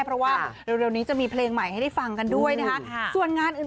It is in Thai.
เพราะว่าเร็วนี้จะมีเพลงใหม่ให้ได้ฟังกันด้วยนะค่ะ